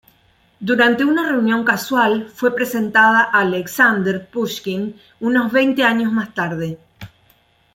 Durante una reunión casual fue presentada a Aleksandr Pushkin unos veinte años más tarde.